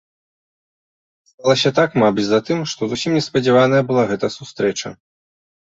Сталася так, мабыць, затым, што зусім неспадзяваная была гэта сустрэча.